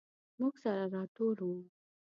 موږ سره راټول وو.